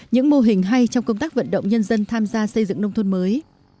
những mô hình hay trong công tác vận động nhân dân tham gia xây dựng nông thôn mới